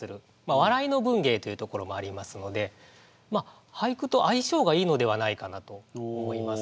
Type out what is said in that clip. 笑いの文芸というところもありますので俳句と相性がいいのではないかなと思います。